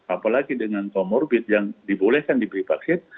apalagi dengan comorbid yang dibolehkan diberi vaksin